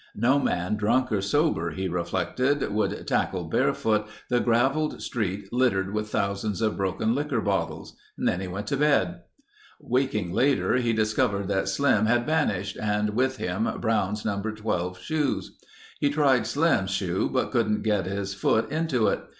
No man drunk or sober he reflected, would tackle barefoot the gravelled street littered with thousands of broken liquor bottles. Then he went to bed. Waking later, he discovered that Slim had vanished and with him, Brown's number 12 shoes. He tried Slim's shoe but couldn't get his foot into it.